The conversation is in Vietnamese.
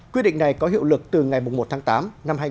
quy định này có hiệu lực từ ngày một tháng tám năm hai nghìn hai mươi